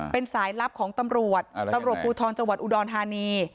เป็นสายลับของตำรวจตำรวจภูทรจังหวัดอุดรธานี